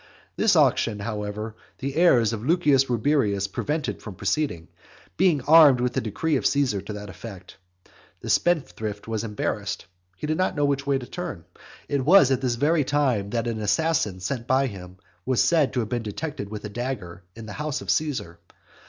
This auction, however, the heirs of Lucius Rubrius prevented from proceeding, being armed with a decree of Caesar to that effect. The spendthrift was embarrassed. He did not know which way to turn. It was at this very time that an assassin sent by him was said to have been detected with a dagger in the house of Caesar.